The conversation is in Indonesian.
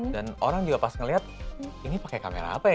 dan orang juga pas ngeliat ini pakai kamera apa ya